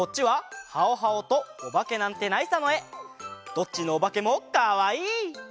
どっちのおばけもかわいい！